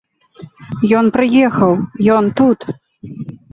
Ён прыехаў, ён тут.